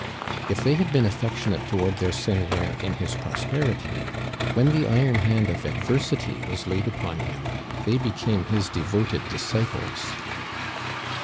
If they had been affectionate toward their seigneur in his prosperity, when the iron hand of adversity was laid upon him they became his devoted disciples.